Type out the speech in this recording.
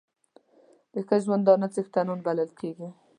د ښه ژوندانه څښتنان بلل کېږي.